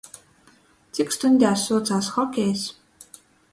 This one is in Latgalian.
Cik stuņdēs suocās hokejs?